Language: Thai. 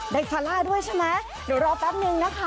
ซาร่าด้วยใช่ไหมเดี๋ยวรอแป๊บนึงนะคะ